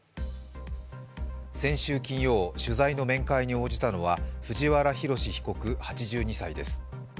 先週金曜、取材の面会に応じたのは藤原宏被告８２歳です。